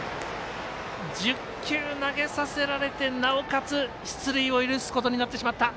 １０球投げさせられてなおかつ出塁を許すことになってしまった。